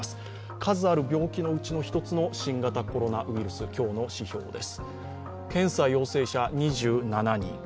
数ある病気のうちの１つの新型コロナウイルスの今日の指標です。